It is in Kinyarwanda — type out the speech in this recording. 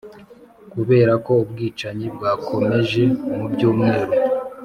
kubera ko ubwicanyi bwakomeje mu byumweru